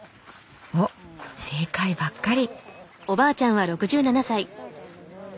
おっ正解ばっかり。